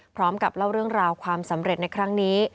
พร้อมกับเล่าเรื่องราวความสำเร็จในครั้งนี้